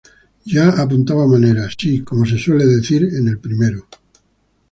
Ya apuntaba maneras, sí, como se suele decir, en el primero.